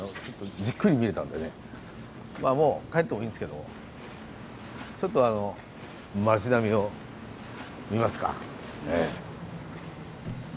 まあもう帰ってもいいんですけどちょっとあの町並みを見ますか。